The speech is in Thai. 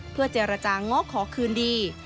เพื่อเจรจาง้อขอคืนดี